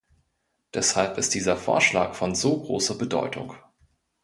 Deshalb ist dieser Vorschlag von so großer Bedeutung.